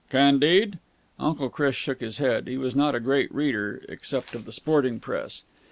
"'Candide'?" Uncle Chris shook his head. He was not a great reader, except of the sporting press.